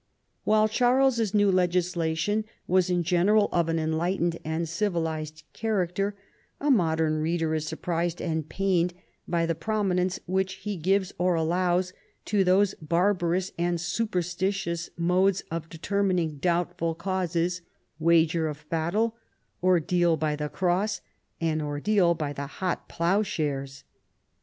While Charles's new legislation was in general of an enlightened and civilized character, a modern reader is surprised and pained b\' the prominence which he gives, or allows, to those barbarous and superstitious modes of determining doubtful causes — wager of battle, ordeal by the cross, and ordeal by tlie hot ploughshares.